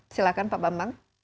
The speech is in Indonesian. silahkan pak bambang